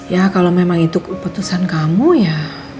ya kalau memang itu keputusan kamu ya